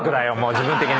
自分的に。